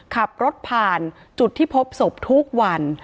ขับรถผ่านจุดที่พบศพทุกวัน